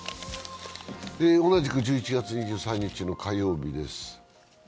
同じく１１月２３日の火曜日です。